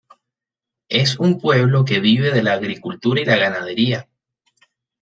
Es un pueblo que vive de la agricultura y la ganadería.